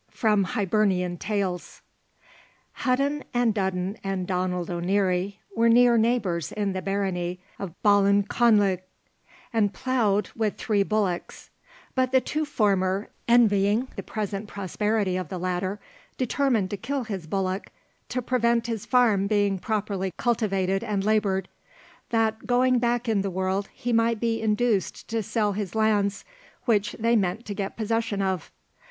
From Hibernian Tales. Hudden and Dudden and Donald O'Nery were near neighbours in the barony of Balinconlig, and ploughed with three bullocks; but the two former, envying the present prosperity of the latter, determined to kill his bullock, to prevent his farm being properly cultivated and laboured, that going back in the world he might be induced to sell his lands, which they meant to get possession of.